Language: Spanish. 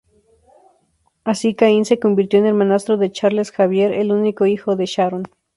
Así, Cain se convirtió en hermanastro de Charles Xavier, el único hijo de Sharon.